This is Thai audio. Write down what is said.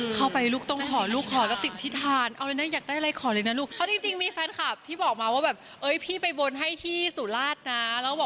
ขอติดทิศาสตร์อยากได้อะไรขอเลยนะที่จริงมีแฟนคลับที่บอกมาว่าพี่บนให้ที่สุราษณ์นะ